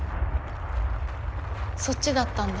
そっちだったんだ。